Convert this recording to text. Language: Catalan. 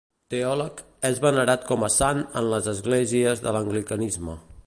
Teòleg, és venerat com a sant en les esglésies de l'anglicanisme.